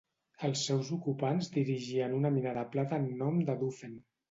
Els seus ocupants dirigien una mina de plata en nom de Dauphin.